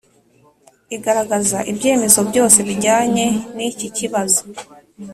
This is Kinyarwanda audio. igaragaza ibyemezo byose bijyanye n iki kibazo